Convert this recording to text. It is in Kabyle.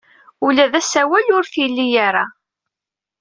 Ula d asawal ur t-ili ara.